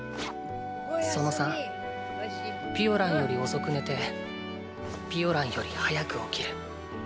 その３ピオランより遅く寝てピオランより早く起きる。